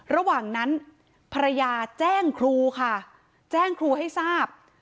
ระหว่างนั้นภรรยาแจ้งครูค่ะแจ้งครูให้ทราบ